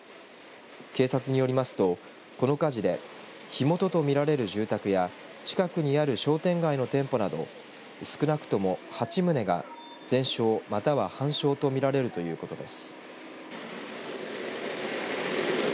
警察によりますとこの火事で火元と見られる住宅や近くにある商店街の店舗など少なくとも８棟が全焼または半焼と見られるということです。